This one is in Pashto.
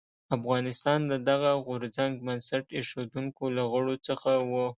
افغانستان د دغه غورځنګ بنسټ ایښودونکو له غړو څخه و.